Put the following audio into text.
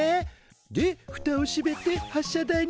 でふたをしめて発射台に置くと